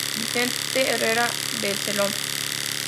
Vicente Herrera Zeledón.